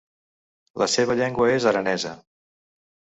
La seva llengua és aranesa.